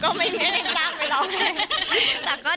ก็ไม่ได้จ้างไปร้องเพลง